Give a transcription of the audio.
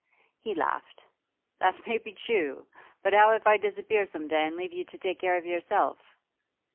He laughed. 'That may be true. But how if I disappear some day and leave you to take care of yourself?